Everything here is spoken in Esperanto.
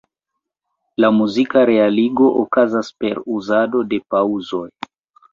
La muzika realigo okazas per uzado de paŭzoj.